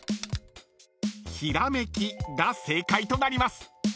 ［「ひらめき」が正解となります］